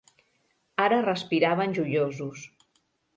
Ara respiraven joiosos.